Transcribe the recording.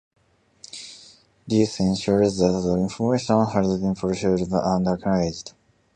This ensures that the information has been processed and acknowledged.